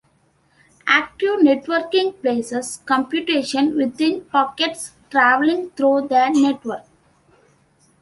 Active networking places computation within packets traveling through the network.